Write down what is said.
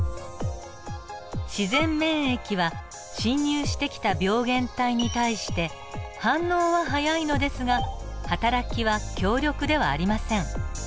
自然免疫は侵入してきた病原体に対して反応は早いのですがはたらきは強力ではありません。